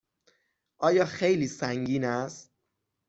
آیا خیلی سنگین است؟